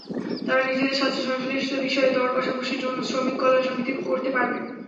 তাঁরা নিজেদের স্বার্থসংশ্লিষ্ট বিষয়ে দর-কষাকষির জন্য শ্রমিক কল্যাণ সমিতি করতে পারবেন।